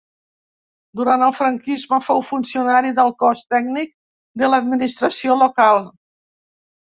Durant el franquisme fou funcionari del cos tècnic de l'Administració local.